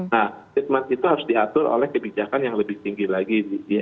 nah treatment itu harus diatur oleh kebijakan yang lebih tinggi lagi